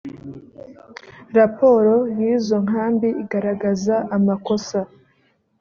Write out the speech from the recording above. raporo y’izo nkambi igaragaza amakosa